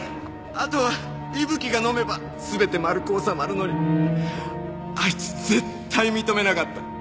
あとは伊吹がのめば全て丸く収まるのにあいつ絶対認めなかった。